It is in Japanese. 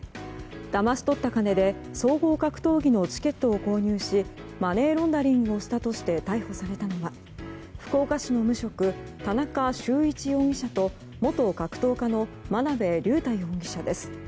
だまし取った金で総合格闘技のチケットを購入しマネーロンダリングをしたとして逮捕されたのは福岡市の無職、田中修一容疑者と元格闘家の真辺龍太容疑者です。